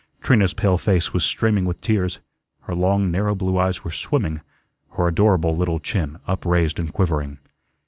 Trina's pale face was streaming with tears; her long, narrow blue eyes were swimming; her adorable little chin upraised and quivering.